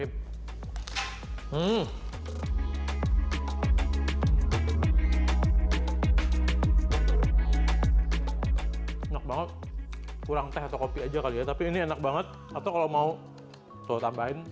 enak banget kurang teh atau kopi aja kali ya tapi ini enak banget atau kalau mau tambahin